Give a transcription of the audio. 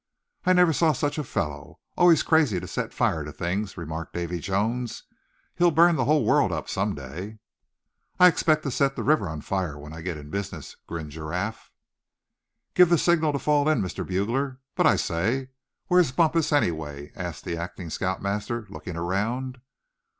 "I never saw such a fellow, always crazy to set fire to things," remarked Davy Jones. "He'll burn the whole world up some day." "I expect to set the river on fire when I get in business," grinned Giraffe. "Give the signal to fall in, Mr. Bugler but I say, where is Bumpus anyway?" asked the acting scout master, looking around.